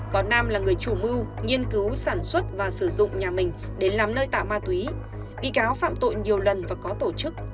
có nam là người chủ mưu nghiên cứu sản xuất và sử dụng nhà mình để làm nơi tạo ma túy bị cáo phạm tội nhiều lần và có tổ chức